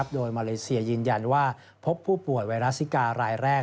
โดยมาเลเซียยืนยันว่าพบผู้ป่วยไวรัสซิการายแรก